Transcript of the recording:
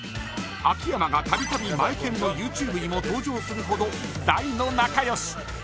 秋山がたびたびマエケンのＹｏｕｔｕｂｅにも登場するほど大の仲良し。